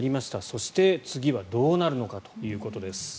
そして、次はどうなるのかということです。